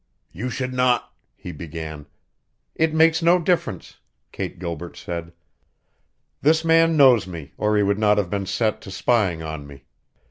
"You should not " he began. "It makes no difference," Kate Gilbert said. "This man knows me, or he would not have been set to spying on me.